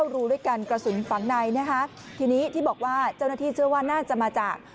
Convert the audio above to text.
รูด้วยกันกระสุนฝังในนะคะทีนี้ที่บอกว่าเจ้าหน้าที่เชื่อว่าน่าจะมาจาก